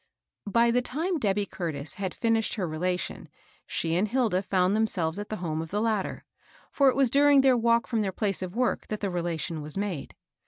By the time Debby Curtis had finished her rela tion, she and Hilda found themselves at the home of the latter ; for it was during their walk fi*om their place of work that the relation was made.